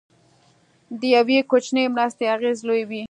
د یو کوچنۍ مرستې اغېز لوی وي.